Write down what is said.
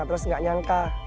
terus nggak nyangka